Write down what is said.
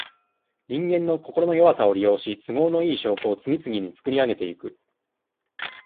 人間の心の弱さを利用し、都合のいい証拠を、次々につくりあげてゆく。